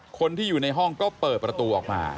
คนที่อยู่ในห้องก็เปิดประตูออกมา